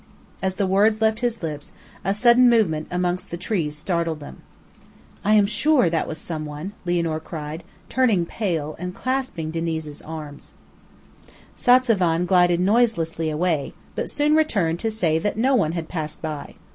As the words left his lips, a sudden movement amongst the trees startled them. "I am sure that was some one," Lianor cried, turning pale, and clasping Diniz's arm. Satzavan glided noiselessly away, but soon returned to say no one had passed by.